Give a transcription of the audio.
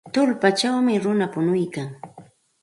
Tullpawmi runa punuykan.